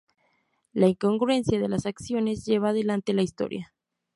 La incongruencia de las acciones lleva adelante la historia.